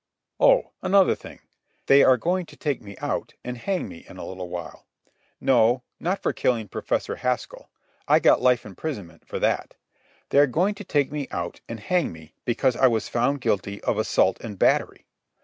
Oh, another thing. They are going to take me out and hang me in a little while—no, not for killing Professor Haskell. I got life imprisonment for that. They are going to take me out and hang me because I was found guilty of assault and battery.